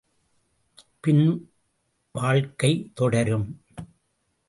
பின் வாழ்க்கை தொடரும்!